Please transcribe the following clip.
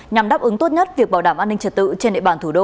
nhằm đáp ứng tốt nhất việc bảo đảm an ninh trật tự trên địa bàn thủ đô